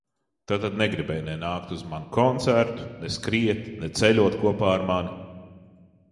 Tātad negribēji ne nākt uz manu koncertu, ne skriet, ne ceļot kopā ar mani?